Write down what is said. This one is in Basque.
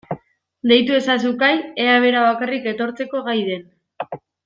Deitu ezazu Kai ea bera bakarrik etortzeko gai den.